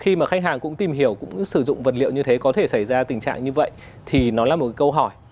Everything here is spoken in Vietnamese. khi mà khách hàng cũng tìm hiểu cũng sử dụng vật liệu như thế có thể xảy ra tình trạng như vậy thì nó là một câu hỏi